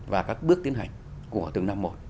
và các bước tiến hành của từng năm một